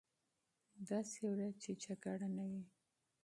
داسې ورځ چې جګړه نه وي.